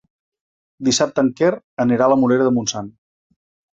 Dissabte en Quer anirà a la Morera de Montsant.